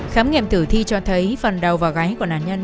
khám nghiệm tử thi cho thấy phần đầu và gáy của nạn nhân